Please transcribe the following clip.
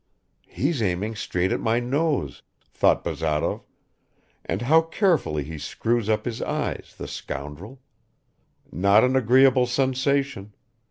. "He's aiming straight at my nose," thought Bazarov, "and how carefully he screws up his eyes, the scoundrel! Not an agreeable sensation.